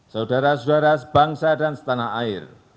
saudara saudara sebangsa dan setanah air